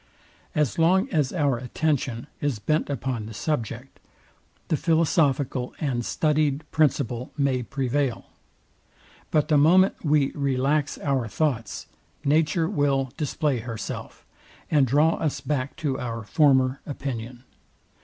As long as our attention is bent upon the subject, the philosophical and studyed principle may prevail; but the moment we relax our thoughts, nature will display herself, and draw us back to our former opinion.